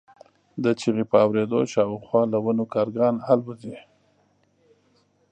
د چیغې په اورېدو شاوخوا له ونو کارغان الوځي.